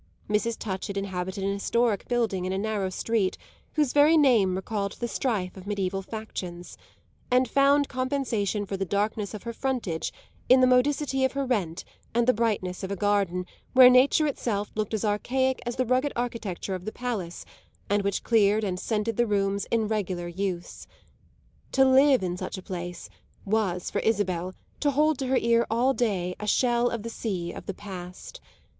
Mrs. Touchett inhabited an historic building in a narrow street whose very name recalled the strife of medieval factions; and found compensation for the darkness of her frontage in the modicity of her rent and the brightness of a garden where nature itself looked as archaic as the rugged architecture of the palace and which cleared and scented the rooms in regular use. To live in such a place was, for Isabel, to hold to her ear all day a shell of the sea of the past.